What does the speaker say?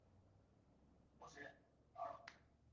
有弟子孙望。